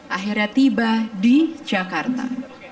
akhirnya tiba di jakarta